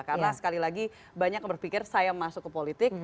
karena sekali lagi banyak yang berpikir saya masuk ke politik